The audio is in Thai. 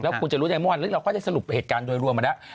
แล้วคุณจะรู้ได้หมดแล้วเราก็จะสรุปเหตุการณ์โดยรวมมาแล้ว